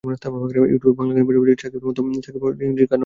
ইউটিউবে বাংলা গানের পাশাপাশি মাহতিম শাকিবের গাওয়া ইংরেজি কভার গানও আছে।